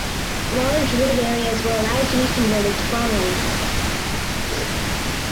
Large wooded areas were allowed to be converted to farmland.